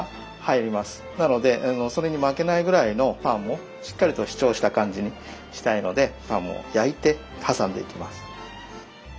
なのでそれに負けないぐらいのパンをしっかりと主張した感じにしたいのでパンを焼いて挟んでいきます。